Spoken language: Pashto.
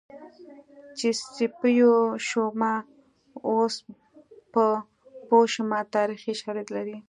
چې سیپو شومه اوس په پوه شومه تاریخي شالید لري